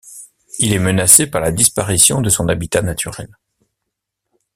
Il est menacée par la disparition de son habitat naturel.